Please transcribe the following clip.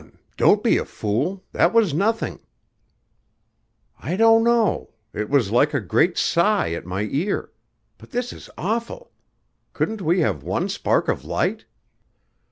Don't be a fool; that was nothing." "I don't know; it was like a great sigh at my ear. But this is awful! Couldn't we have one spark of light?"